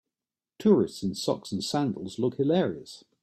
Tourists in socks and sandals look hilarious.